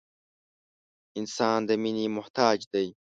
• انسان د مینې محتاج دی.